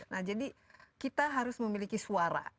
nah jadi kita harus memiliki suara